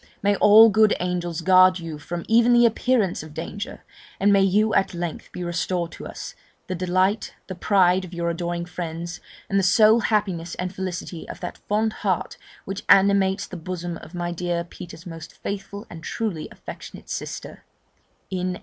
may all good angels guard you from even the appearance of danger! and may you at length be restored to us, the delight, the pride of your adoring friends, and the sole happiness and felicity of that fond heart which animates the bosom of my dear Peter's most faithful and truly affectionate sister, N.